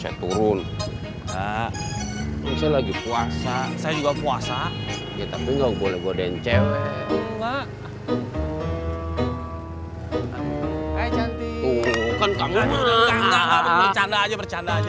enggak enggak bercanda aja bercanda aja